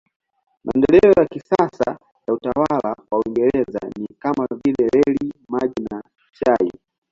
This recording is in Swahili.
Maendeleo ya kisasa ya utawala wa Uingereza ni kama vile reli, maji na chai.